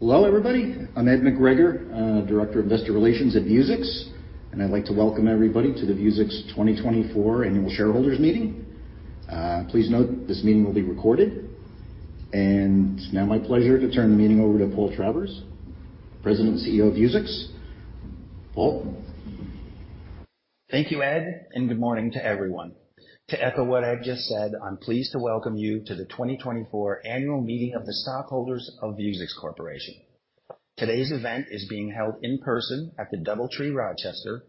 Hello, everybody. I'm Ed McGregor, Director of Investor Relations at Vuzix, and I'd like to welcome everybody to the Vuzix 2024 annual shareholders meeting. Please note this meeting will be recorded. It's now my pleasure to turn the meeting over to Paul Travers, President and CEO of Vuzix. Paul? Thank you, Ed, and good morning to everyone. To echo what Ed just said, I'm pleased to welcome you to the 2024 annual meeting of the stockholders of Vuzix Corporation. Today's event is being held in person at the DoubleTree, Rochester,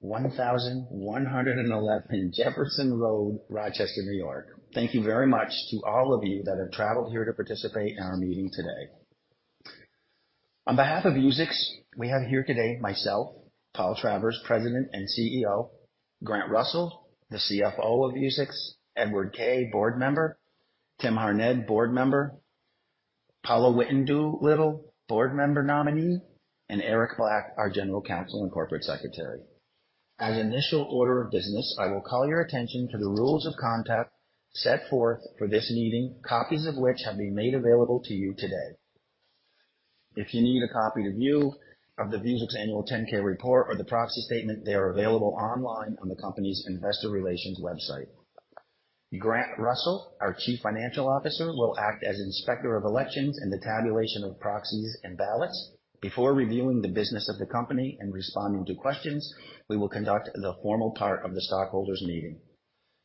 1111 Jefferson Road, Rochester, New York. Thank you very much to all of you that have traveled here to participate in our meeting today. On behalf of Vuzix, we have here today myself, Paul Travers, President and CEO, Grant Russell, the CFO of Vuzix, Edward Kay, board member, Tim Harned, board member, Paula Whitten-Doolin, board member nominee, and Eric Black, our General Counsel and Corporate Secretary. As initial order of business, I will call your attention to the rules of conduct set forth for this meeting, copies of which have been made available to you today. If you need a copy to view of the Vuzix annual 10-K report or the proxy statement, they are available online on the company's investor relations website. Grant Russell, our Chief Financial Officer, will act as Inspector of Elections in the tabulation of proxies and ballots. Before reviewing the business of the company and responding to questions, we will conduct the formal part of the stockholders' meeting.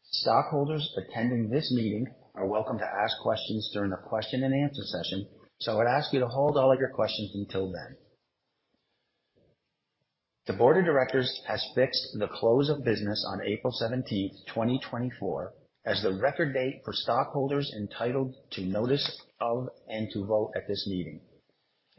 Stockholders attending this meeting are welcome to ask questions during the question and answer session, so I would ask you to hold all of your questions until then. The board of directors has fixed the close of business on April 17, 2024, as the record date for stockholders entitled to notice of and to vote at this meeting.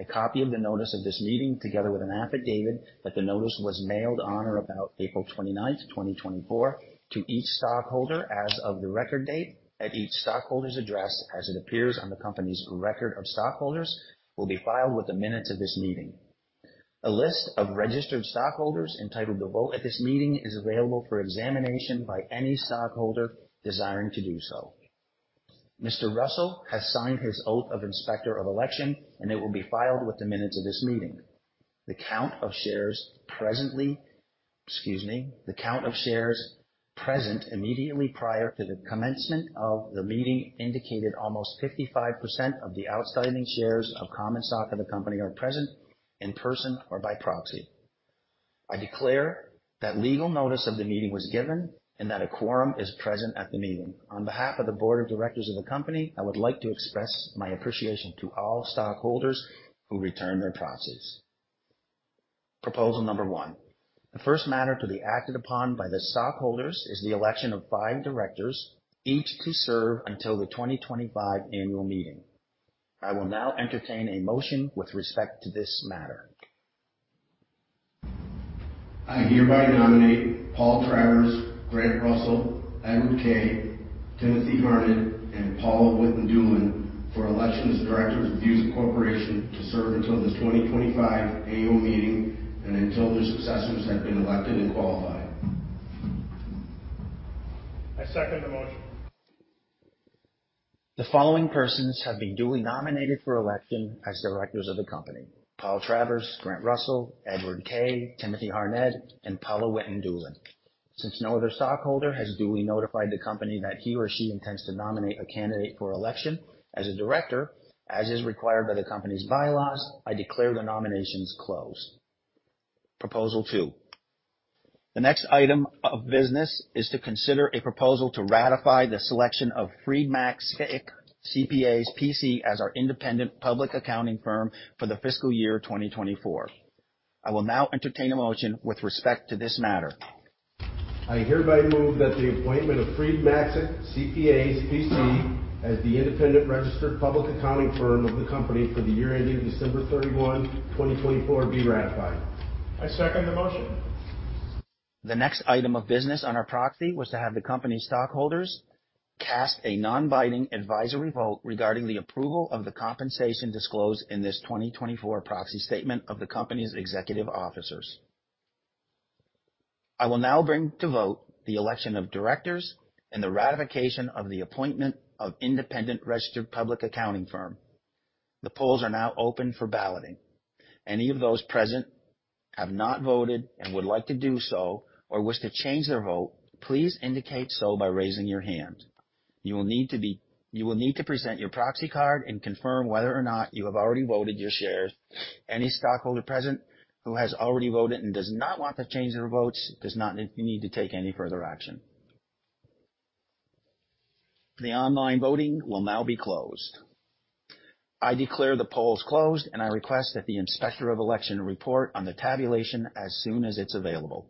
A copy of the notice of this meeting, together with an affidavit that the notice was mailed on or about April 29, 2024, to each stockholder as of the record date, at each stockholder's address, as it appears on the company's record of stockholders, will be filed with the minutes of this meeting. A list of registered stockholders entitled to vote at this meeting is available for examination by any stockholder desiring to do so. Mr. Russell has signed his oath of Inspector of Election, and it will be filed with the minutes of this meeting. The count of shares presently, excuse me, the count of shares present immediately prior to the commencement of the meeting indicated almost 55% of the outstanding shares of common stock of the company are present in person or by proxy. I declare that legal notice of the meeting was given and that a quorum is present at the meeting. On behalf of the board of directors of the company, I would like to express my appreciation to all stockholders who returned their proxies. Proposal number 1. The first matter to be acted upon by the stockholders is the election of five directors, each to serve until the 2025 annual meeting. I will now entertain a motion with respect to this matter. I hereby nominate Paul Travers, Grant Russell, Edward Kay, Timothy Harned, and Paula Whitten-Doolin for election as directors of Vuzix Corporation to serve until the 2025 annual meeting and until their successors have been elected and qualified. I second the motion. The following persons have been duly nominated for election as directors of the company: Paul Travers, Grant Russell, Edward Kay, Timothy Harned, and Paula Whitten-Doolin. Since no other stockholder has duly notified the company that he or she intends to nominate a candidate for election as a director, as is required by the company's bylaws, I declare the nominations closed. Proposal two. The next item of business is to consider a proposal to ratify the selection of Freed Maxick CPAs, P.C., as our independent public accounting firm for the fiscal year 2024. I will now entertain a motion with respect to this matter. I hereby move that the appointment of Freed Maxick CPAs, P.C., as the independent registered public accounting firm of the company for the year ending December 31, 2024, be ratified. I second the motion. The next item of business on our proxy was to have the company's stockholders cast a non-binding advisory vote regarding the approval of the compensation disclosed in this 2024 proxy statement of the company's executive officers. I will now bring to vote the election of directors and the ratification of the appointment of independent registered public accounting firm. The polls are now open for balloting. Any of those present have not voted and would like to do so or wish to change their vote, please indicate so by raising your hand. You will need to present your proxy card and confirm whether or not you have already voted your shares. Any stockholder present who has already voted and does not want to change their votes, does not need to take any further action. The online voting will now be closed. I declare the polls closed, and I request that the Inspector of Election report on the tabulation as soon as it's available.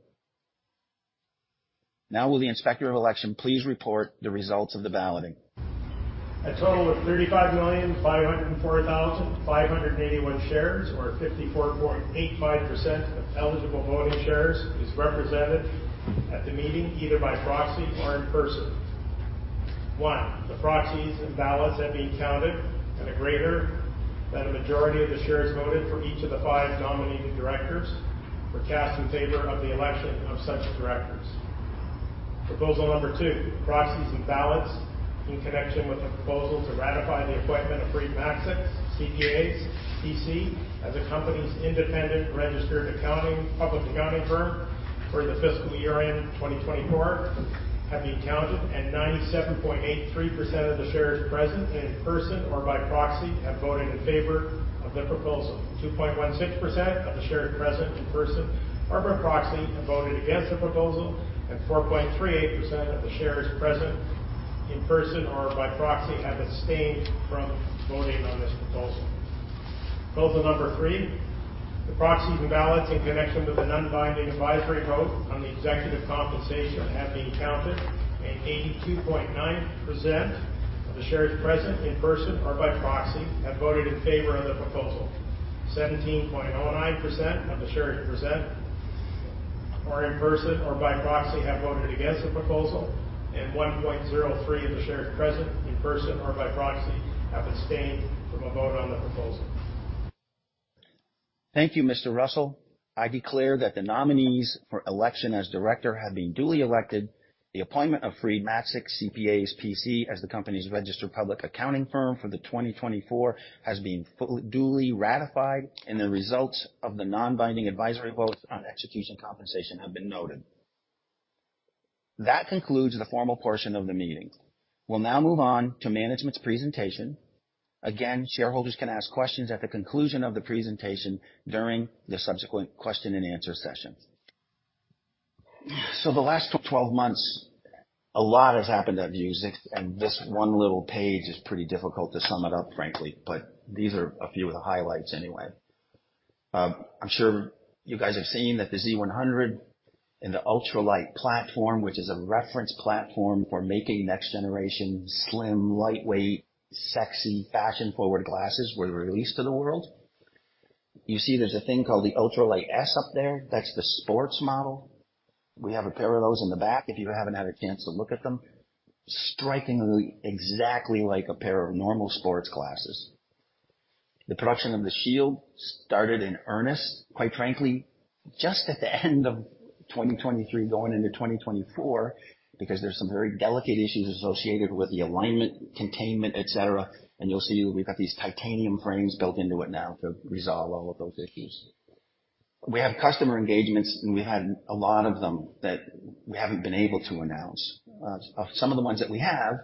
Now, will the Inspector of Election please report the results of the balloting? A total of 35,504,581 shares, or 54.85% of eligible voting shares, is represented at the meeting, either by proxy or in person. Once, the proxies and ballots have been counted, and a greater than a majority of the shares voted for each of the 5 nominated directors were cast in favor of the election of such directors. Proposal 2, proxies and ballots in connection with the proposal to ratify the appointment of Freed Maxick CPAs, P.C., as the company's independent registered public accounting firm for the fiscal year end, 2024, have been counted, and 97.83% of the shares present in person or by proxy have voted in favor of the proposal. 2.16% of the shares present in person or by proxy have voted against the proposal, and 4.38% of the shares present in person or by proxy have abstained from voting on this proposal. Proposal number three, the proxies and ballots in connection with the non-binding advisory vote on the executive compensation have been counted, and 82.9% of the shares present in person or by proxy have voted in favor of the proposal. 17.09% of the shares present or in person or by proxy have voted against the proposal, and 1.03 of the shares present in person or by proxy have abstained from a vote on the proposal. Thank you, Mr. Russell. I declare that the nominees for election as director have been duly elected. The appointment of Freed Maxick CPAs, P.C., as the company's registered public accounting firm for 2024 has been fully, duly ratified, and the results of the non-binding advisory vote on executive compensation have been noted. That concludes the formal portion of the meeting. We'll now move on to management's presentation. Again, shareholders can ask questions at the conclusion of the presentation during the subsequent question and answer session. The last 12 months, a lot has happened at Vuzix, and this one little page is pretty difficult to sum it up, frankly, but these are a few of the highlights anyway. I'm sure you guys have seen that the Z100 and the Ultralight platform, which is a reference platform for making next generation, slim, lightweight, sexy, fashion-forward glasses, were released to the world. You see, there's a thing called the Ultralight S up there. That's the sports model. We have a pair of those in the back if you haven't had a chance to look at them. Strikingly, exactly like a pair of normal sports glasses. The production of the Shield started in earnest, quite frankly, just at the end of 2023, going into 2024, because there's some very delicate issues associated with the alignment, containment, et cetera. You'll see we've got these titanium frames built into it now to resolve all of those issues. We have customer engagements, and we had a lot of them that we haven't been able to announce. Some of the ones that we have,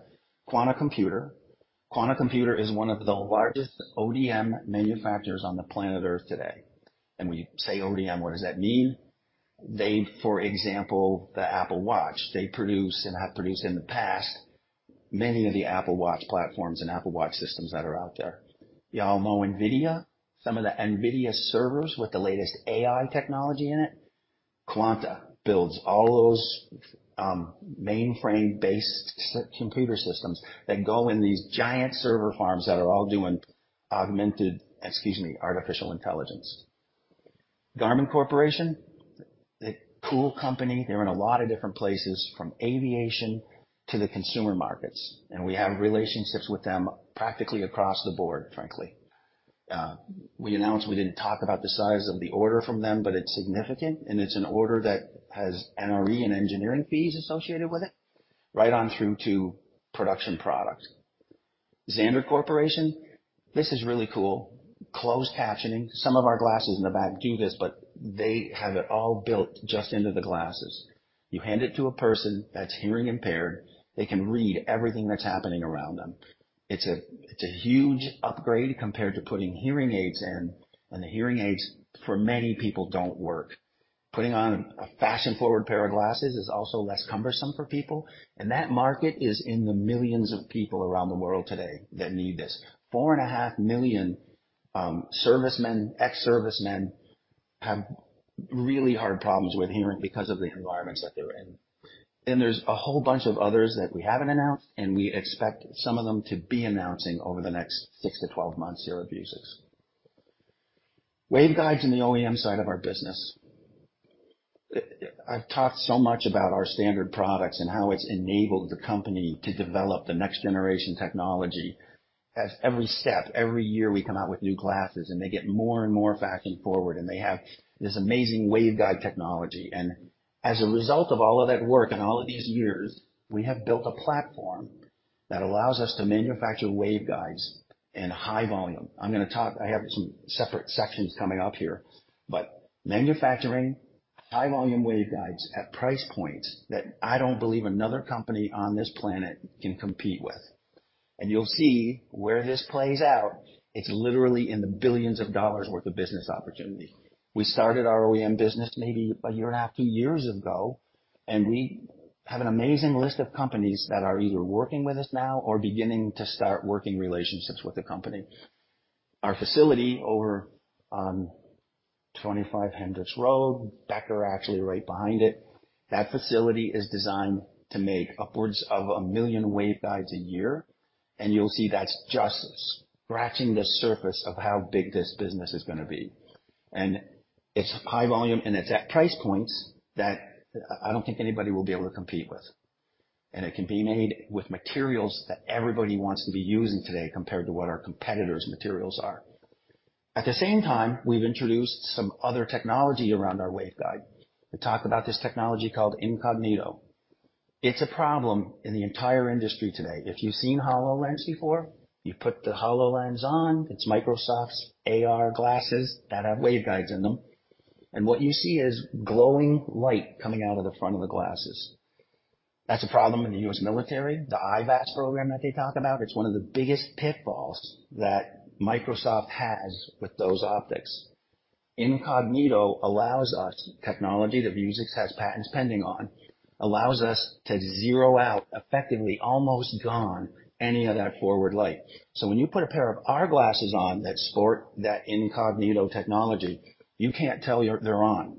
Quanta Computer. Quanta Computer is one of the largest ODM manufacturers on the planet Earth today. When you say ODM, what does that mean? They, for example, the Apple Watch, they produce and have produced in the past many of the Apple Watch platforms and Apple Watch systems that are out there. You all know NVIDIA, some of the NVIDIA servers with the latest AI technology in it. Quanta builds all those, mainframe-based computer systems that go in these giant server farms that are all doing augmented, excuse me, artificial intelligence. Garmin Ltd., a cool company. They're in a lot of different places, from aviation to the consumer markets, and we have relationships with them practically across the board, frankly. We announced we didn't talk about the size of the order from them, but it's significant, and it's an order that has NRE and engineering fees associated with it, right on through to production products. XanderGlasses, this is really cool. Closed captioning. Some of our glasses in the back do this, but they have it all built just into the glasses. You hand it to a person that's hearing impaired, they can read everything that's happening around them. It's a huge upgrade compared to putting hearing aids in, when the hearing aids, for many people, don't work. Putting on a fashion-forward pair of glasses is also less cumbersome for people, and that market is in the millions of people around the world today that need this. 4.5 million servicemen, ex-servicemen, have really hard problems with hearing because of the environments that they're in. There's a whole bunch of others that we haven't announced, and we expect some of them to be announcing over the next 6-12 months here at Vuzix. Waveguides in the OEM side of our business. I've talked so much about our standard products and how it's enabled the company to develop the next generation technology. At every step, every year, we come out with new glasses, and they get more and more fashion-forward, and they have this amazing waveguide technology. As a result of all of that work and all of these years, we have built a platform that allows us to manufacture waveguides in high volume. I'm gonna talk. I have some separate sections coming up here, but manufacturing high-volume waveguides at price points that I don't believe another company on this planet can compete with. You'll see where this plays out, it's literally in the billions of dollars worth of business opportunity. We started our OEM business maybe a year and a half, 2 years ago, and we have an amazing list of companies that are either working with us now or beginning to start working relationships with the company. Our facility over on 25 Hendricks Road, Rochester, actually, right behind it, that facility is designed to make upwards of 1 million waveguides a year, and you'll see that's just scratching the surface of how big this business is gonna be. It's high volume, and it's at price points that I don't think anybody will be able to compete with. It can be made with materials that everybody wants to be using today, compared to what our competitors' materials are. At the same time, we've introduced some other technology around our waveguide. We talk about this technology called Incognito. It's a problem in the entire industry today. If you've seen HoloLens before, you put the HoloLens on, it's Microsoft's AR glasses that have waveguides in them, and what you see is glowing light coming out of the front of the glasses. That's a problem in the U.S. military, the IVAS program that they talk about, it's one of the biggest pitfalls that Microsoft has with those optics. Incognito allows us, technology that Vuzix has patents pending on, allows us to zero out, effectively, almost gone, any of that forward light. So when you put a pair of our glasses on that support that Incognito technology, you can't tell they're on.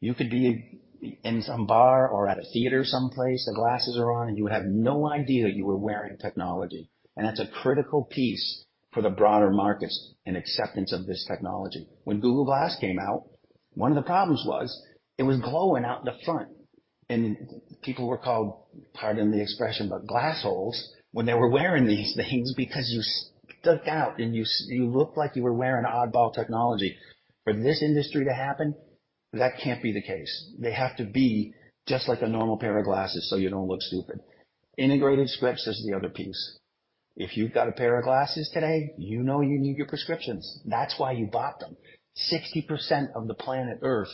You could be in some bar or at a theater someplace, the glasses are on, and you would have no idea you were wearing technology. And that's a critical piece for the broader markets and acceptance of this technology. When Google Glass came out, one of the problems was it was glowing out the front, and people were called, pardon the expression, but glass holes, when they were wearing these things because you stuck out and you looked like you were wearing oddball technology. For this industry to happen, that can't be the case. They have to be just like a normal pair of glasses, so you don't look stupid. Integrated optics is the other piece. If you've got a pair of glasses today, you know you need your prescriptions. That's why you bought them. 60% of the planet Earth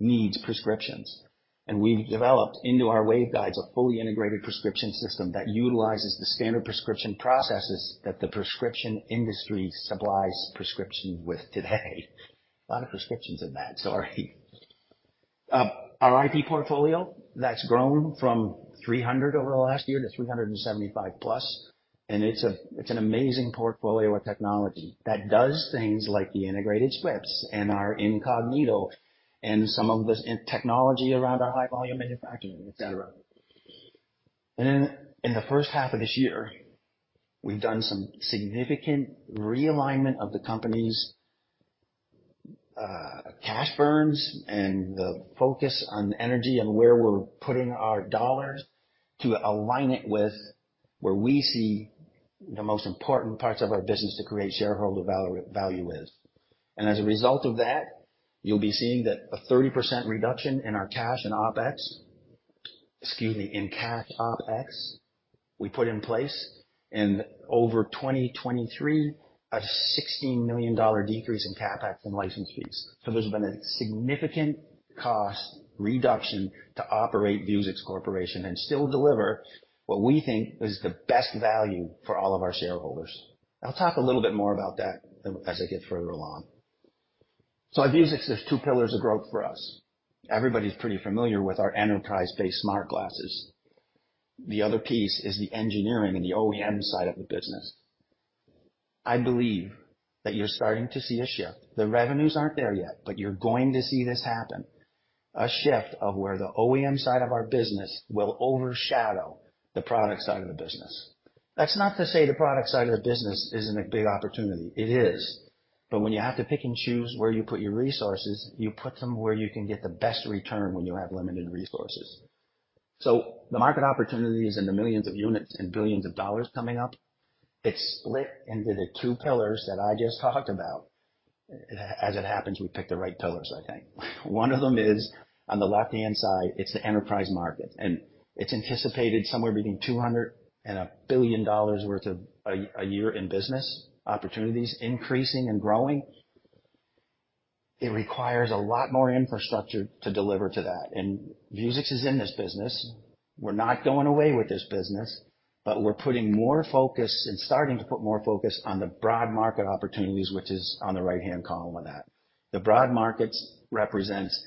needs prescriptions, and we've developed into our waveguides a fully integrated prescription system that utilizes the standard prescription processes that the prescription industry supplies prescription with today. Our IP portfolio, that's grown from 300 over the last year to 375+, and it's an amazing portfolio of technology that does things like the integrated scripts and our Incognito, and some of this in technology around our high volume manufacturing, et cetera. And then, in the first half of this year, we've done some significant realignment of the company's cash burns and the focus on energy and where we're putting our dollars to align it with where we see the most important parts of our business to create shareholder value with. And as a result of that, you'll be seeing a 30% reduction in our cash and opex. Excuse me, in cash opex, we put in place, and over 2023, a $16 million decrease in capex and license fees. So there's been a significant cost reduction to operate Vuzix Corporation and still deliver what we think is the best value for all of our shareholders. I'll talk a little bit more about that as I get further along. So at Vuzix, there's two pillars of growth for us. Everybody's pretty familiar with our enterprise-based smart glasses. The other piece is the engineering and the OEM side of the business. I believe that you're starting to see a shift. The revenues aren't there yet, but you're going to see this happen. A shift of where the OEM side of our business will overshadow the product side of the business. That's not to say the product side of the business isn't a big opportunity. It is. But when you have to pick and choose where you put your resources, you put them where you can get the best return when you have limited resources. So the market opportunities in the millions of units and billions of dollars coming up, it's split into the two pillars that I just talked about. As it happens, we picked the right pillars, I think. One of them is on the left-hand side, it's the enterprise market, and it's anticipated somewhere between $200 and $1 billion worth of a year in business opportunities increasing and growing. It requires a lot more infrastructure to deliver to that, and Vuzix is in this business. We're not going away with this business, but we're putting more focus and starting to put more focus on the broad market opportunities, which is on the right-hand column of that. The broad markets represents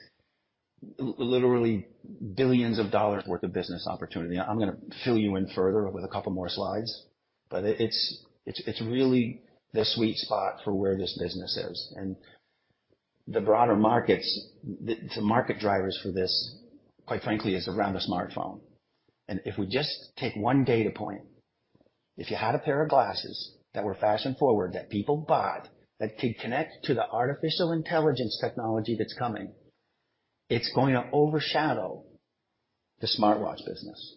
literally billions of dollars worth of business opportunity. I'm gonna fill you in further with a couple more slides, but it's really the sweet spot for where this business is. And the broader markets, the market drivers for this, quite frankly, is around the smartphone. If we just take one data point, if you had a pair of glasses that were fashion forward, that people bought, that could connect to the artificial intelligence technology that's coming, it's going to overshadow the smartwatch business.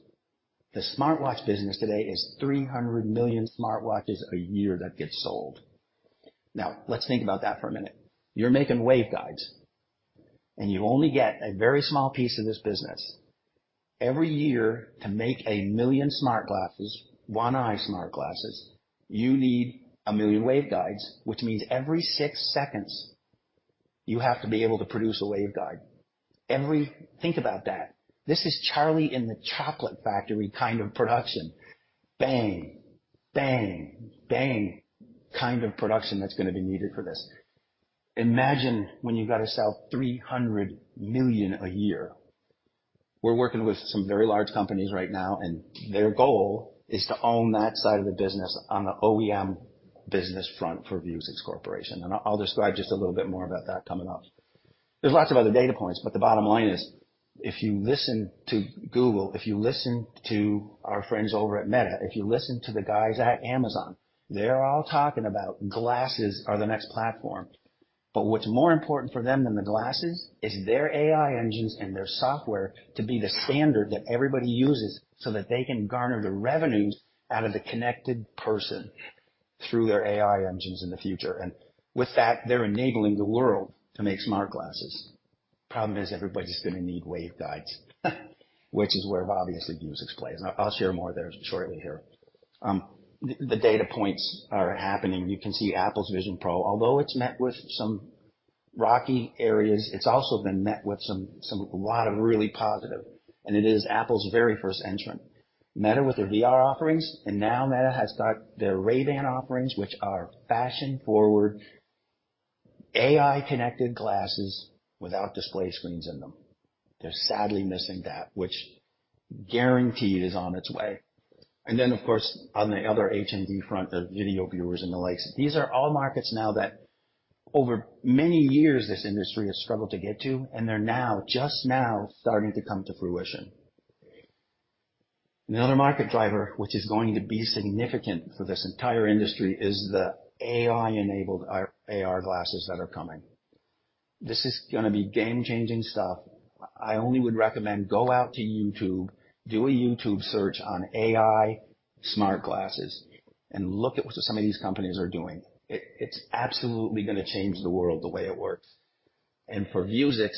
The smartwatch business today is 300 million smartwatches a year that gets sold. Now, let's think about that for a minute. You're making waveguides, and you only get a very small piece of this business. Every year to make 1 million smart glasses, one eye smart glasses, you need 1 million waveguides, which means every 6 seconds, you have to be able to produce a waveguide. Think about that. This is Charlie in the Chocolate Factory kind of production. Bang, bang, bang, kind of production that's gonna be needed for this. Imagine when you've got to sell 300 million a year. We're working with some very large companies right now, and their goal is to own that side of the business on the OEM business front for Vuzix Corporation. And I'll describe just a little bit more about that coming up. There's lots of other data points, but the bottom line is, if you listen to Google, if you listen to our friends over at Meta, if you listen to the guys at Amazon, they're all talking about glasses are the next platform.... But what's more important for them than the glasses is their AI engines and their software to be the standard that everybody uses, so that they can garner the revenues out of the connected person through their AI engines in the future. And with that, they're enabling the world to make smart glasses. Problem is, everybody's gonna need waveguides, which is where, obviously, Vuzix plays, and I'll share more there shortly here. The data points are happening. You can see Apple's Vision Pro, although it's met with some rocky areas, it's also been met with some, a lot of really positive, and it is Apple's very first entrant. Meta with their VR offerings, and now Meta has got their Ray-Ban offerings, which are fashion-forward, AI-connected glasses without display screens in them. They're sadly missing that, which guaranteed is on its way. And then, of course, on the other HMD front, the video viewers and the likes, these are all markets now that over many years, this industry has struggled to get to, and they're now, just now, starting to come to fruition. The other market driver, which is going to be significant for this entire industry, is the AI-enabled AR glasses that are coming. This is gonna be game-changing stuff. I only would recommend go out to YouTube, do a YouTube search on AI smart glasses, and look at what some of these companies are doing. It's absolutely gonna change the world, the way it works. And for Vuzix,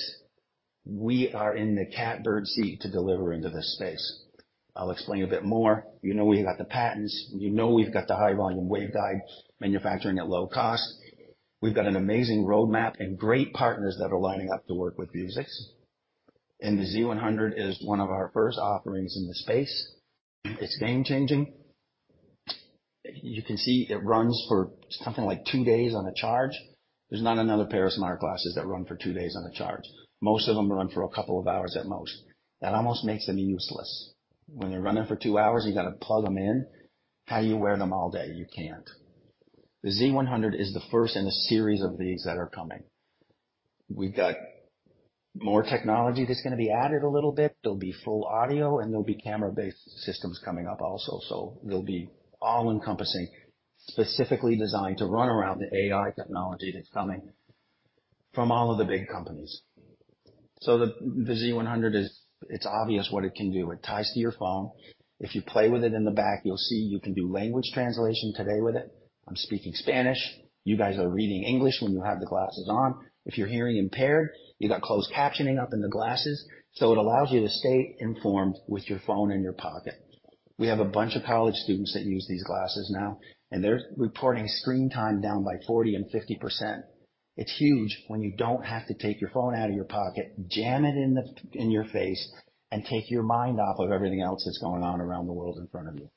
we are in the catbird seat to deliver into this space. I'll explain a bit more. You know, we've got the patents, you know we've got the high-volume waveguide manufacturing at low cost. We've got an amazing roadmap and great partners that are lining up to work with Vuzix, and the Z100 is one of our first offerings in the space. It's game-changing. You can see it runs for something like two days on a charge. There's not another pair of smart glasses that run for two days on a charge. Most of them run for a couple of hours at most. That almost makes them useless. When they're running for two hours, you gotta plug them in. How do you wear them all day? You can't. The Z100 is the first in a series of these that are coming. We've got more technology that's gonna be added a little bit. There'll be full audio, and there'll be camera-based systems coming up also, so they'll be all-encompassing, specifically designed to run around the AI technology that's coming from all of the big companies. So the, the Z100 is... It's obvious what it can do. It ties to your phone. If you play with it in the back, you'll see you can do language translation today with it. I'm speaking Spanish, you guys are reading English when you have the glasses on. If you're hearing impaired, you got closed captioning up in the glasses, so it allows you to stay informed with your phone in your pocket. We have a bunch of college students that use these glasses now, and they're reporting screen time down by 40% and 50%. It's huge when you don't have to take your phone out of your pocket, jam it in the, in your face, and take your mind off of everything else that's going on around the world in front of you.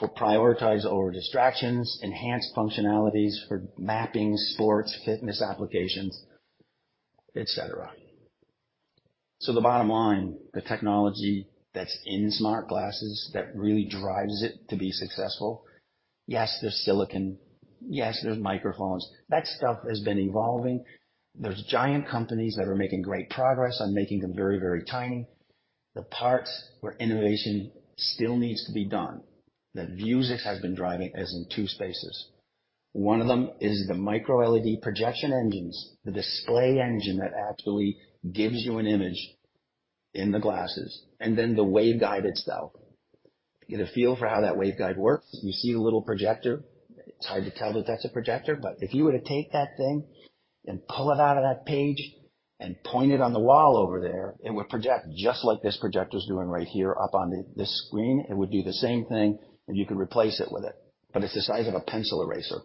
To prioritize over distractions, enhance functionalities for mapping, sports, fitness applications, et cetera. So the bottom line, the technology that's in smart glasses that really drives it to be successful, yes, there's silicon, yes, there's microphones. That stuff has been evolving. There's giant companies that are making great progress on making them very, very tiny. The parts where innovation still needs to be done, that Vuzix has been driving, is in two spaces. One of them is the micro LED projection engines, the display engine that actually gives you an image in the glasses, and then the Waveguide itself. To get a feel for how that Waveguide works, you see the little projector. It's hard to tell that that's a projector, but if you were to take that thing and pull it out of that page and point it on the wall over there, it would project just like this projector's doing right here up on the screen. It would be the same thing, and you could replace it with it, but it's the size of a pencil eraser.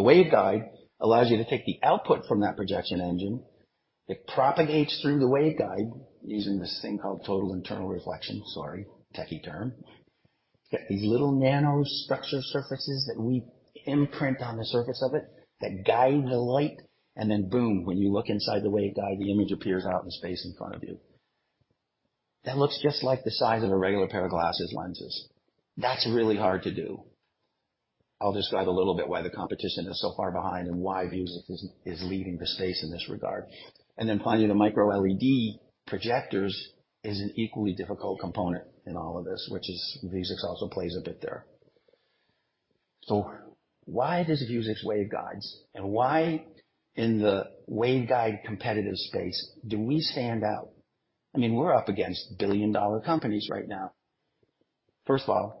The waveguide allows you to take the output from that projection engine. It propagates through the waveguide using this thing called total internal reflection. Sorry, techie term. It's got these little nanostructure surfaces that we imprint on the surface of it that guide the light, and then, boom, when you look inside the waveguide, the image appears out in space in front of you. That looks just like the size of a regular pair of glasses lenses. That's really hard to do. I'll describe a little bit why the competition is so far behind, and why Vuzix is, is leading the space in this regard. And then finally, the micro LED projectors is an equally difficult component in all of this, which is Vuzix also plays a bit there. So why does Vuzix waveguides, and why in the waveguide competitive space do we stand out? I mean, we're up against billion-dollar companies right now. First of all,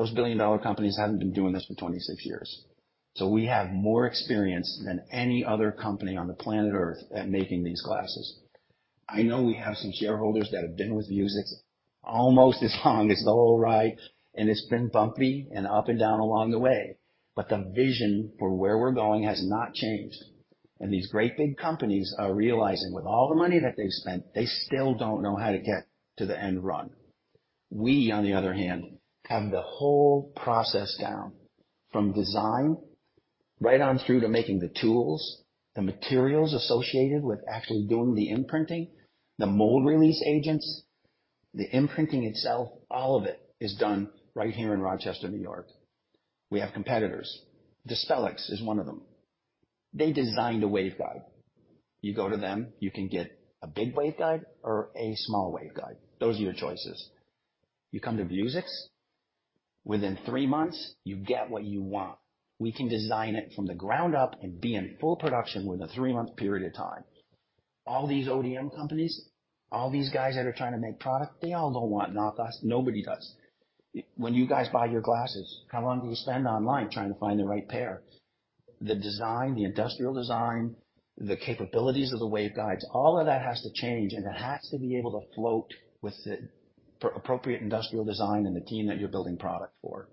those billion-dollar companies haven't been doing this for 26 years, so we have more experience than any other company on the planet Earth at making these glasses. I know we have some shareholders that have been with Vuzix almost as long as the whole ride, and it's been bumpy and up and down along the way, but the vision for where we're going has not changed. These great big companies are realizing, with all the money that they've spent, they still don't know how to get to the end run. We, on the other hand, have the whole process down, from design, right on through to making the tools, the materials associated with actually doing the imprinting, the mold release agents, the imprinting itself, all of it is done right here in Rochester, New York. We have competitors. Dispelix is one of them. They designed a waveguide. You go to them, you can get a big waveguide or a small waveguide. Those are your choices. You come to Vuzix. Within three months, you get what you want. We can design it from the ground up and be in full production within a three-month period of time. All these ODM companies, all these guys that are trying to make product, they all don't want knockoffs. Nobody does. When you guys buy your glasses, how long do you spend online trying to find the right pair? The design, the industrial design, the capabilities of the waveguides, all of that has to change, and it has to be able to float with the appropriate industrial design and the team that you're building product for.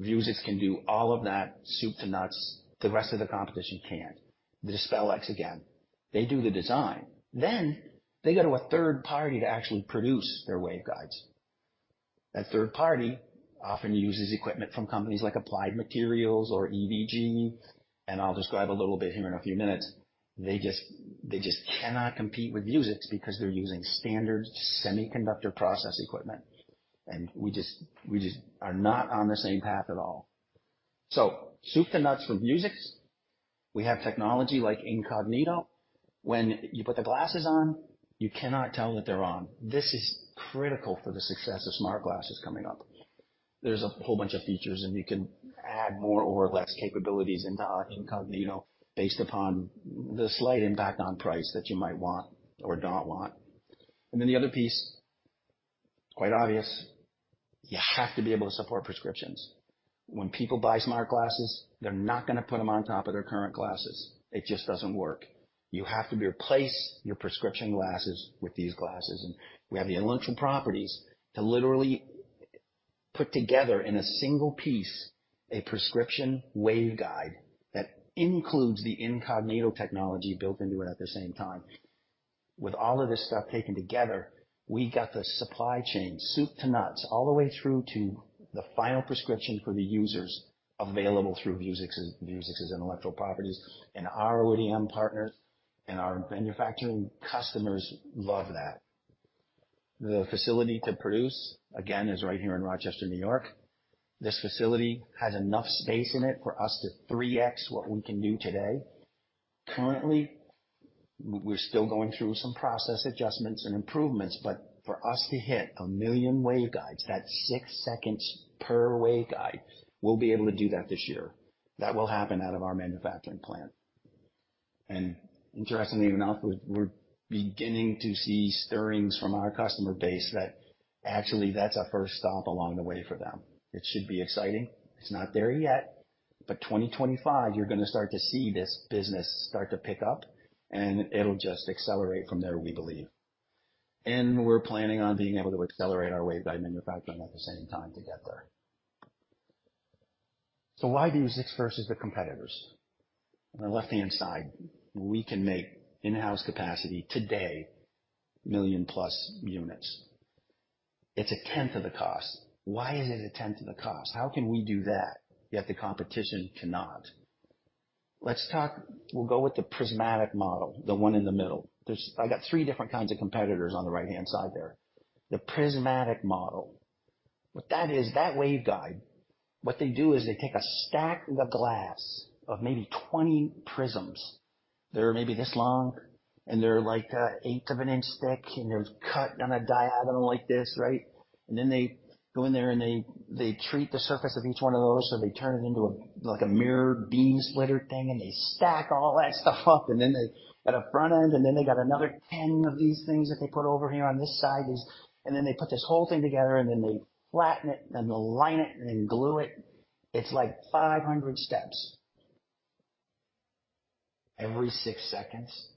Vuzix can do all of that, soup to nuts. The rest of the competition can't. Dispelix, again, they do the design, then they go to a third party to actually produce their waveguides. That third party often uses equipment from companies like Applied Materials or EVG, and I'll describe a little bit here in a few minutes. They just, they just cannot compete with Vuzix because they're using standard semiconductor process equipment, and we just, we just are not on the same path at all. So soup to nuts from Vuzix, we have technology like Incognito. When you put the glasses on, you cannot tell that they're on. This is critical for the success of smart glasses coming up. There's a whole bunch of features, and you can add more or less capabilities into our Incognito based upon the slight impact on price that you might want or not want. And then the other piece, quite obvious, you have to be able to support prescriptions. When people buy smart glasses, they're not gonna put them on top of their current glasses. It just doesn't work. You have to replace your prescription glasses with these glasses, and we have the intellectual properties to literally put together in a single piece, a prescription waveguide that includes the Incognito technology built into it at the same time. With all of this stuff taken together, we got the supply chain, soup to nuts, all the way through to the final prescription for the users available through Vuzix's, Vuzix's intellectual properties and our ODM partners, and our manufacturing customers love that. The facility to produce, again, is right here in Rochester, New York. This facility has enough space in it for us to 3x what we can do today. Currently, we're still going through some process adjustments and improvements, but for us to hit 1 million waveguides, that's 6 seconds per waveguide, we'll be able to do that this year. That will happen out of our manufacturing plant. And interestingly enough, we're beginning to see stirrings from our customer base that actually that's our first stop along the way for them. It should be exciting. It's not there yet, but 2025, you're gonna start to see this business start to pick up, and it'll just accelerate from there, we believe. And we're planning on being able to accelerate our waveguide manufacturing at the same time together. So why Vuzix versus the competitors? On the left-hand side, we can make in-house capacity today, 1 million-plus units. It's a tenth of the cost. Why is it a tenth of the cost? How can we do that, yet the competition cannot? Let's talk... We'll go with the prismatic model, the one in the middle. There's I got three different kinds of competitors on the right-hand side there. The prismatic model. What that is, that waveguide, what they do is they take a stack of glass of maybe 20 prisms. They're maybe this long, and they're, like, an eighth of an inch thick, and they're cut on a diagonal like this, right? And then they go in there, and they, they treat the surface of each one of those, so they turn it into a, like, a mirror beam splitter thing, and they stack all that stuff up, and then they got a front end, and then they got another 10 of these things that they put over here on this side. And then they put this whole thing together, and then they flatten it, and align it, and then glue it. It's like 500 steps. Every 6 seconds.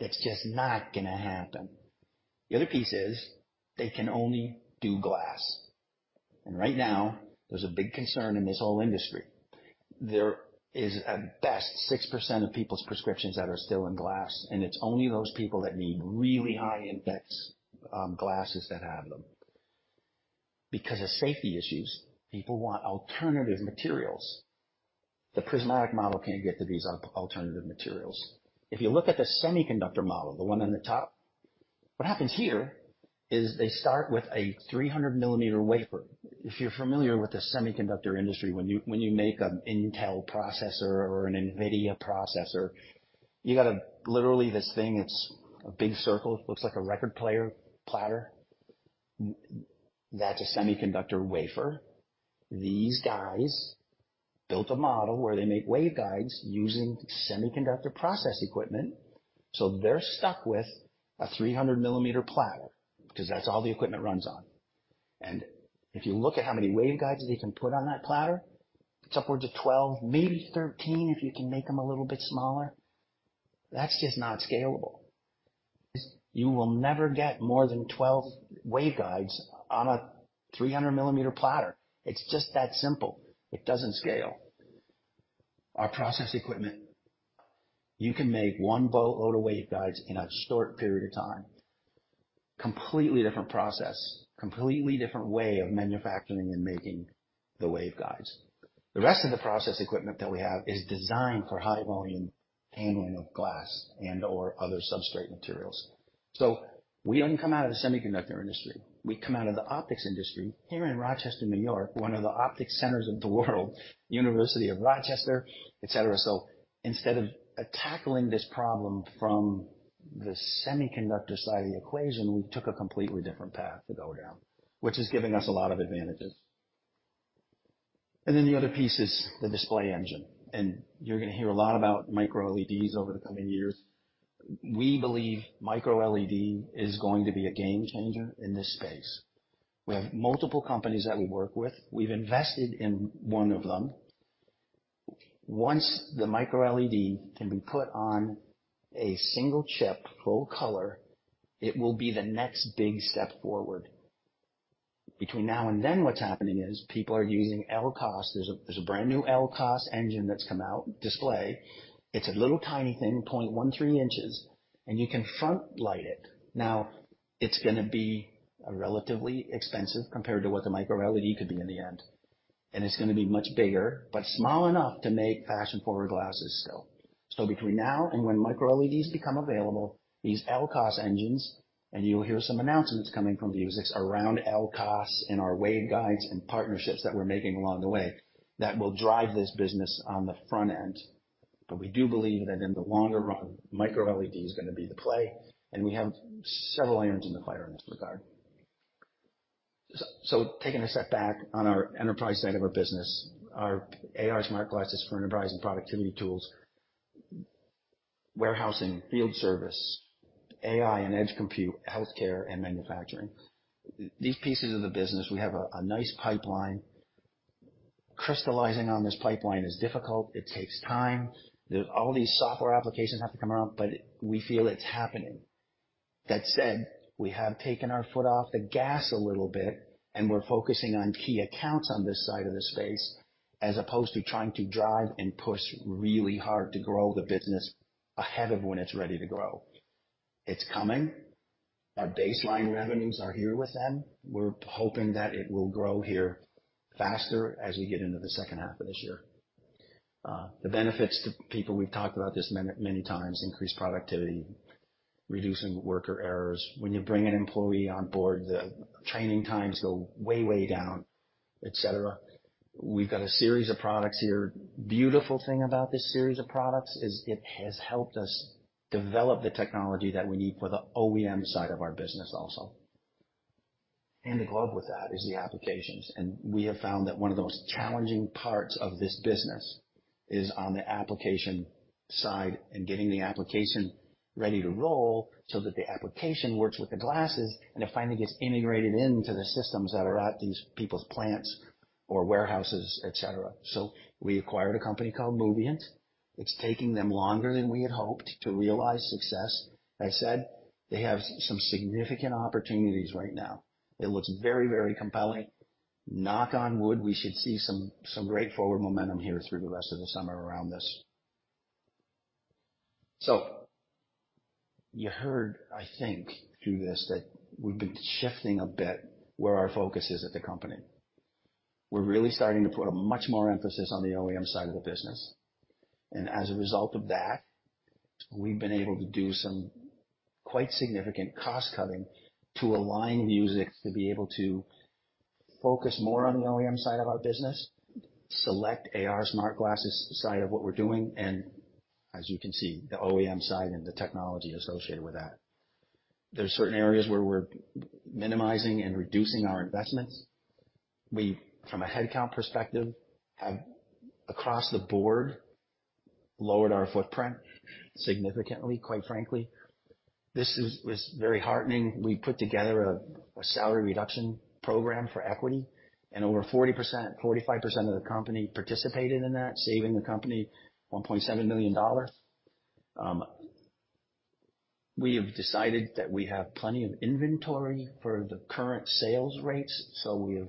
That's just not gonna happen. The other piece is, they can only do glass. And right now, there's a big concern in this whole industry. There is, at best, 6% of people's prescriptions that are still in glass, and it's only those people that need really high index, glasses that have them. Because of safety issues, people want alternative materials. The prismatic model can't get to these alternative materials. If you look at the semiconductor model, the one on the top, what happens here is they start with a 300-millimeter wafer. If you're familiar with the semiconductor industry, when you, when you make an Intel processor or an NVIDIA processor, you got a - literally this thing, it's a big circle, looks like a record player platter. That's a semiconductor wafer. These guys built a model where they make waveguides using semiconductor process equipment, so they're stuck with a 300 millimeter platter because that's all the equipment runs on. And if you look at how many waveguides they can put on that platter, it's upwards of 12, maybe 13, if you can make them a little bit smaller. That's just not scalable. You will never get more than 12 waveguides on a 300 millimeter platter. It's just that simple. It doesn't scale. Our process equipment, you can make one boatload of waveguides in a short period of time. Completely different process, completely different way of manufacturing and making the waveguides. The rest of the process equipment that we have is designed for high volume handling of glass and or other substrate materials. So we don't come out of the semiconductor industry. We come out of the optics industry here in Rochester, New York, one of the optics centers of the world, University of Rochester, et cetera. So instead of tackling this problem from the semiconductor side of the equation, we took a completely different path to go down, which is giving us a lot of advantages. And then the other piece is the display engine, and you're gonna hear a lot about micro LEDs over the coming years. We believe micro LED is going to be a game changer in this space. We have multiple companies that we work with. We've invested in one of them. Once the micro LED can be put on a single chip, full color, it will be the next big step forward. Between now and then, what's happening is people are using LCOS. There's a brand new LCOS engine that's come out, display. It's a little, tiny thing, 0.13 inches, and you can front light it. Now, it's gonna be relatively expensive compared to what the micro LED could be in the end. And it's gonna be much bigger, but small enough to make fashion-forward glasses still. So between now and when micro LEDs become available, these LCOS engines, and you will hear some announcements coming from Vuzix around LCOS and our waveguides and partnerships that we're making along the way, that will drive this business on the front end. But we do believe that in the longer run, micro LED is gonna be the play, and we have several irons in the fire in this regard. So, so taking a step back on our enterprise side of our business, our AR smart glasses for enterprise and productivity tools, warehousing, field service, AI and edge compute, healthcare, and manufacturing. These pieces of the business, we have a, a nice pipeline. Crystallizing on this pipeline is difficult. It takes time. There's, all these software applications have to come out, but we feel it's happening. That said, we have taken our foot off the gas a little bit, and we're focusing on key accounts on this side of the space, as opposed to trying to drive and push really hard to grow the business ahead of when it's ready to grow. It's coming. Our baseline revenues are here with them. We're hoping that it will grow here faster as we get into the second half of this year. The benefits to people, we've talked about this many, many times, increased productivity, reducing worker errors. When you bring an employee on board, the training times go way, way down, et cetera. We've got a series of products here. Beautiful thing about this series of products is it has helped us develop the technology that we need for the OEM side of our business also. In the globe with that is the applications, and we have found that one of the most challenging parts of this business is on the application side and getting the application ready to roll so that the application works with the glasses, and it finally gets integrated into the systems that are at these people's plants or warehouses, et cetera. So we acquired a company called Moviynt. It's taking them longer than we had hoped to realize success. I said they have some significant opportunities right now. It looks very, very compelling. Knock on wood, we should see some great forward momentum here through the rest of the summer around this. So you heard, I think, through this, that we've been shifting a bit where our focus is at the company. We're really starting to put a much more emphasis on the OEM side of the business. And as a result of that, we've been able to do some quite significant cost cutting to align Vuzix to be able to focus more on the OEM side of our business, select AR smart glasses side of what we're doing, and as you can see, the OEM side and the technology associated with that. There's certain areas where we're minimizing and reducing our investments. We, from a headcount perspective, have, across the board, lowered our footprint significantly, quite frankly. This was very heartening. We put together a salary reduction program for equity, and over 40%, 45% of the company participated in that, saving the company $1.7 million. We have decided that we have plenty of inventory for the current sales rates, so we have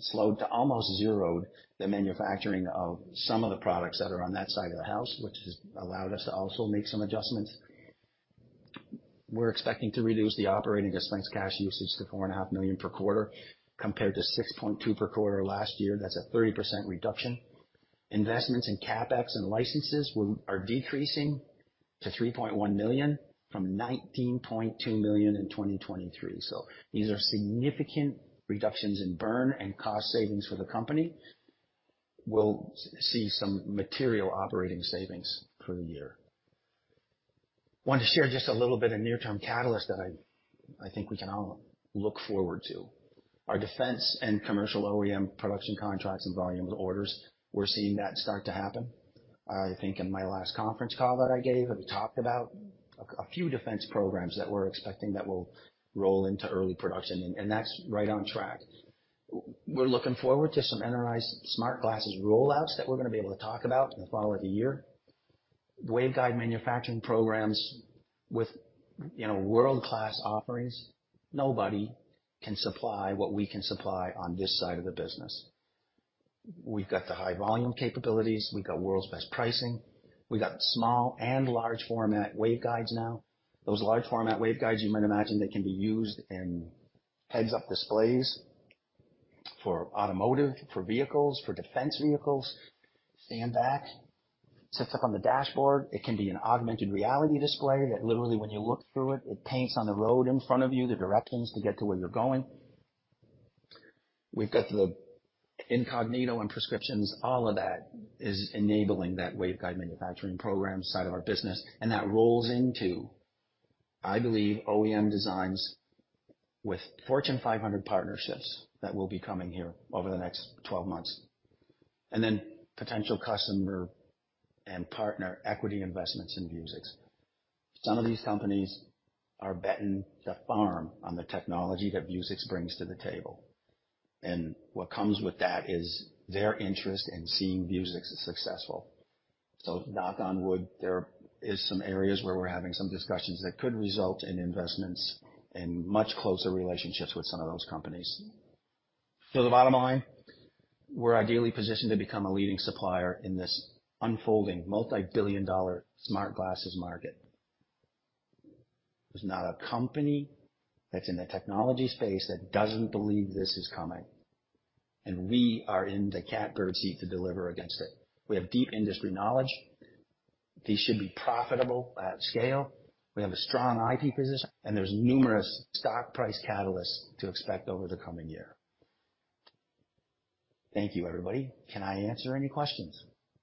slowed to almost zeroed the manufacturing of some of the products that are on that side of the house, which has allowed us to also make some adjustments. We're expecting to reduce the operating distinct cash usage to $4.5 million per quarter, compared to $6.2 per quarter last year. That's a 30% reduction. Investments in capex and licenses are decreasing to $3.1 million from $19.2 million in 2023. So these are significant reductions in burn and cost savings for the company. We'll see some material operating savings through the year. Want to share just a little bit of near-term catalyst that I think we can all look forward to. Our defense and commercial OEM production contracts and volume of orders, we're seeing that start to happen. I think in my last conference call that I gave, I talked about a few defense programs that we're expecting that will roll into early production, and that's right on track. We're looking forward to some enterprise smart glasses rollouts that we're gonna be able to talk about in the fall of the year. Waveguide manufacturing programs with, you know, world-class offerings. Nobody can supply what we can supply on this side of the business. We've got the high volume capabilities, we've got world's best pricing, we've got small and large format waveguides now. Those large format waveguides, you might imagine, that can be used in heads-up displays for automotive, for vehicles, for defense vehicles. Stand back, sits up on the dashboard. It can be an augmented reality display that literally, when you look through it, it paints on the road in front of you the directions to get to where you're going. We've got the Incognito and prescriptions. All of that is enabling that waveguide manufacturing program side of our business, and that rolls into, I believe, OEM designs with Fortune 500 partnerships that will be coming here over the next 12 months. And then potential customer and partner equity investments in Vuzix. Some of these companies are betting the farm on the technology that Vuzix brings to the table, and what comes with that is their interest in seeing Vuzix successful. So knock on wood, there is some areas where we're having some discussions that could result in investments and much closer relationships with some of those companies. So the bottom line, we're ideally positioned to become a leading supplier in this unfolding, multi-billion dollar smart glasses market. There's not a company that's in the technology space that doesn't believe this is coming, and we are in the catbird seat to deliver against it. We have deep industry knowledge. These should be profitable at scale. We have a strong IT position, and there's numerous stock price catalysts to expect over the coming year. Thank you, everybody. Can I answer any questions?